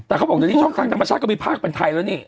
แต่เขาบอกว่าช่องทางต่างประชาติก็มีภาคเป็นไทยแล้วนี่